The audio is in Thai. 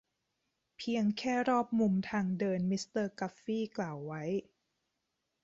เพียงแค่รอบมุมทางเดินมิสเตอร์กัฟฟี่กล่าวไว้